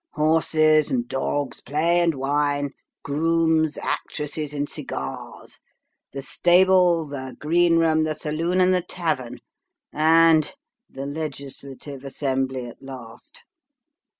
" Horses and dogs, play and wine grooms, actresses, and cigars the stable, the green room, the saloon, and the tavern ; and the legislative assembly at last."